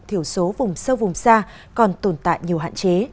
thiểu số vùng sâu vùng xa còn tồn tại nhiều hạn chế